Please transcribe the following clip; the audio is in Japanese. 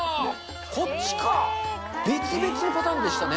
こっちか、別々のパターンでしたね。